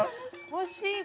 欲しい。